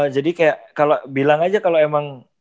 jadi kayak bilang aja kalo emang